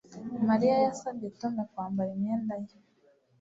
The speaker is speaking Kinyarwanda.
Mariya yasabye Tom kwambara imyenda ye